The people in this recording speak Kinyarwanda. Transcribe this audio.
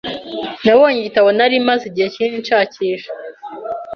Nabonye igitabo nari maze igihe kinini nshakisha.